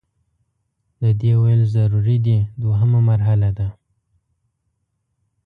د دې ویل ضروري دي دوهمه مرحله ده.